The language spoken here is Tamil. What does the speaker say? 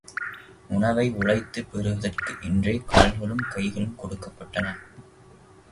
உணவை உழைத்துப் பெறுவதற்கு என்றே கால்களும் கைகளும் கொடுக்கப்பட்டன.